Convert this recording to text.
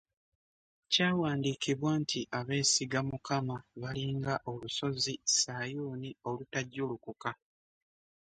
Kyawandiikibwa nti abeesiga Mukama balinga olusozi Saayuni olutajulukuka.